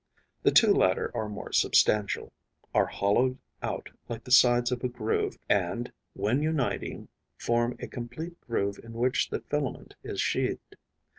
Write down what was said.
The two latter are more substantial, are hollowed out like the sides of a groove and, when uniting, form a complete groove in which the filament is sheathed.